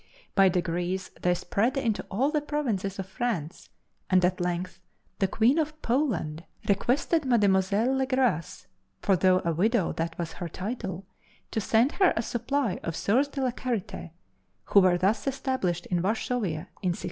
By degrees they spread into all the provinces of France, and at length the Queen of Poland requested Mademoiselle Le Gras, for though a widow that was her title, to send her a supply of Soeurs de la Charite, who were thus established in Varsovia, in 1652.